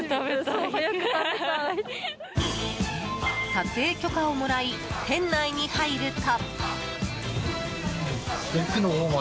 撮影許可をもらい店内に入ると。